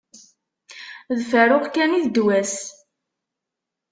D faruq kan i d ddwa-s.